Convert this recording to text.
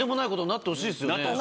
なってほしいですね。